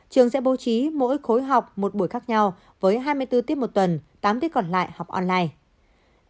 trường sẽ bố trí mỗi khối học một buổi khác nhau với hai mươi bốn tiết một tuần tám tiết còn lại học online